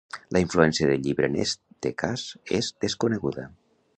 La influència del llibre en este cas és desconeguda.